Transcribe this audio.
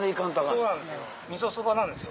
そうなんですよ。